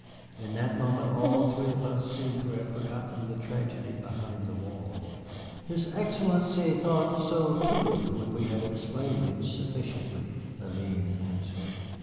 In that moment all three of us seemed to have forgotten the tragedy behind the wall. "His Excellency thought so, too, when we had explained it sufficiently," Hélène answered.